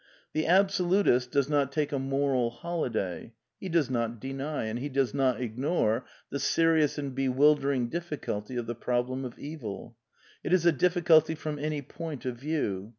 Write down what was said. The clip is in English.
'he ab solutigt does not take a ^^ m oral holiday." He does not d^y/a Sd He does not ignore, the serious*^ a nd be wildering difficulty of the problem of evil. It is a difficulty from any point of view.